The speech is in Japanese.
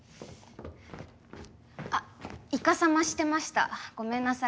あっイカサマしてましたごめんなさい。